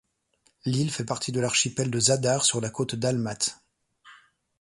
L'île fait partie de l'archipel de Zadar sur la côte dalmate.